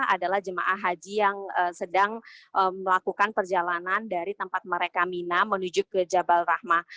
adalah jemaah haji yang sedang melakukan perjalanan dari tempat mereka mina menuju ke jabal rahmah